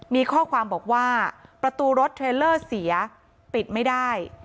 มีข้อความบอกว่าประตูรถเทรลเลอร์เสียปิดไม่ได้